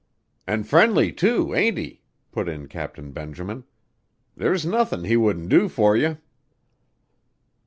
"An' friendly too, ain't he?" put in Captain Benjamin. "There's nothin' he wouldn't do for you."